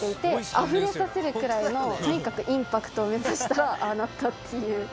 あふれさせるくらいのとにかくインパクトを目指したらああなったっていう。